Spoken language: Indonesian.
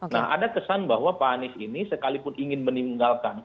nah ada kesan bahwa pak anies ini sekalipun ingin meninggalkan